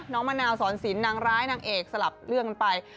มะนาวสอนสินนางร้ายนางเอกสลับเรื่องกันไป